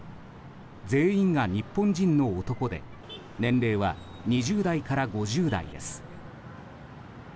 全員が日本人の男で年齢は２０代から５０代です。